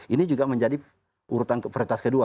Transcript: ini juga menjadi urutan prioritas kedua